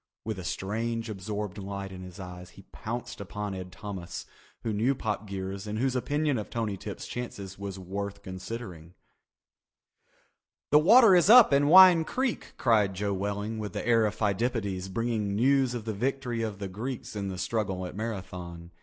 With a strange absorbed light in his eyes he pounced upon Ed Thomas, he who knew Pop Geers and whose opinion of Tony Tip's chances was worth considering. "The water is up in Wine Creek," cried Joe Welling with the air of Pheidippides bringing news of the victory of the Greeks in the struggle at Marathon.